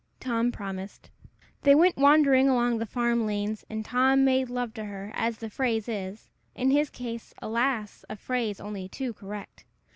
Tom promised. They went wandering along the farm lanes, and Tom made love to her, as the phrase is in his case, alas! a phrase only too correct.